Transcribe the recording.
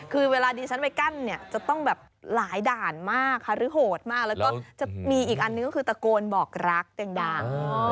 คือเวลาดิฉันไปกั้นเนี่ยจะต้องแบบหลายด่านมากค่ะหรือโหดมากแล้วก็จะมีอีกอันนึงก็คือตะโกนบอกรักแดง